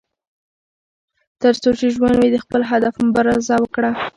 تر څو چې ژوند وي، د خپل هدف لپاره مبارزه وکړه.